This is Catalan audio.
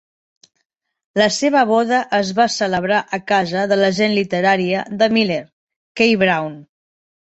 La seva boda es va celebrar a casa de l'agent literària de Miller, Kay Brown.